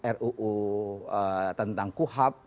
ruu tentang kuhap